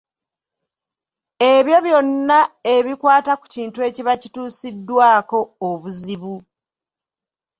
Ebyo byonna ebikwata ku kintu ekiba kituusiddwako obuzibu.